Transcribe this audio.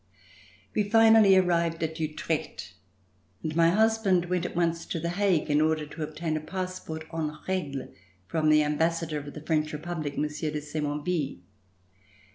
We finally arrived at Utrecht, and my husband went at once to The Hague to obtain a passport en regie, from the Ambassador of the French Republic, Monsieur de Semonville.